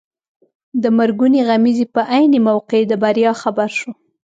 د مرګونې غمیزې په عین موقع د بریا خبر شو.